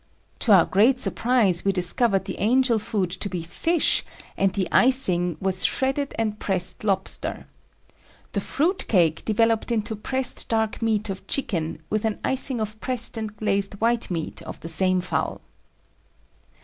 To our great surprise we discovered the angel food to be fish and the "icing" was shredded and pressed lobster. The "fruitcake" developed into pressed dark meat of chicken, with an icing of pressed and glazed white meat of the same fowl.